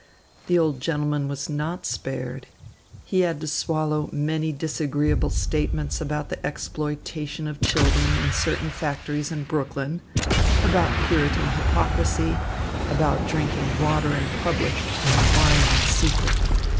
The old gentleman was not spared. He had to swallow many disagreeable statements about the exploitation of children in certain factories in Brooklyn, about Puritan hypocrisy, about drinking water in public and wine in secret.